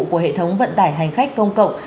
của hệ thống vận tải hành khách công cộng